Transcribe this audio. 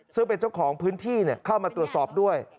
ซึ่งเป็นเจ้าของพื้นที่เข้ามาตรวจสอบด้วย